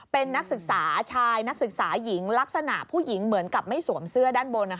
เป็นนักศึกษาชายนักศึกษาหญิงลักษณะผู้หญิงเหมือนกับไม่สวมเสื้อด้านบน